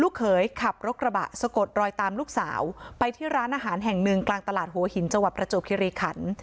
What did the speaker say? เขยขับรถกระบะสะกดรอยตามลูกสาวไปที่ร้านอาหารแห่งหนึ่งกลางตลาดหัวหินจังหวัดประจวบคิริขัน